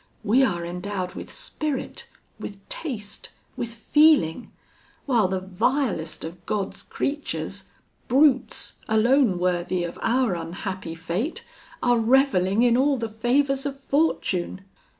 We are endowed with spirit, with taste, with feeling; while the vilest of God's creatures brutes, alone worthy of our unhappy fate, are revelling in all the favours of fortune.'